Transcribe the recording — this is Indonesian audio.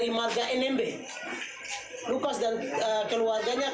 lukas dan keluarganya kalau mereka berpikir itu adalah tambang emas di mami